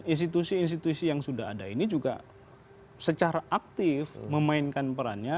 institusi institusi yang sudah ada ini juga secara aktif memainkan perannya